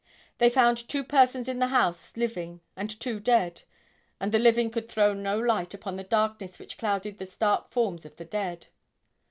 They found two persons in the house living and two dead; and the living could throw no light upon the darkness which clouded the stark forms of the dead.